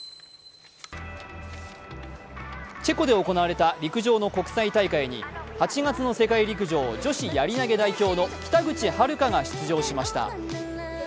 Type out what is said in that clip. チェコで行われた陸上の国際大会に８月の世界陸上女子やり投げ代表の北口榛花が出場しました。